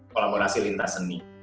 kolaborasi lintas seni